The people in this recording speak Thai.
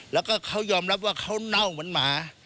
แล้วก็เขายอมรับว่าเขาเน่าเหมือนหมา